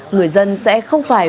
người dân sẽ không phải